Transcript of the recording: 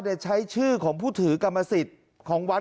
ใช้ชื่อของผู้ถือกรรมสิทธิ์ของวัด